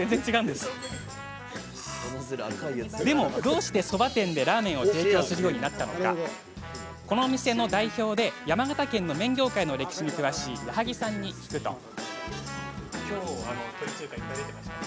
でも、どうしてそば店でラーメンを提供するようになったのかこの店の代表で山形県の麺業界の歴史に詳しい矢萩さんに聞くと。